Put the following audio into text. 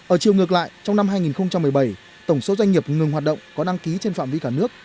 ở chiều ngược lại trong năm hai nghìn một mươi bảy tổng số doanh nghiệp ngừng hoạt động có đăng ký trên phạm vi cả nước